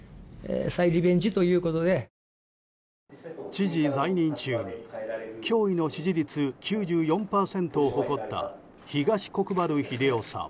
知事在任中驚異の支持率９４％を誇った東国原英夫さん。